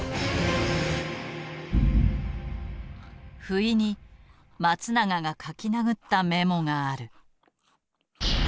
不意に松永が書きなぐったメモがある。